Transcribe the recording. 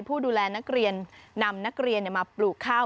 ผู้ดูแลนักเรียนนำนักเรียนมาปลูกข้าว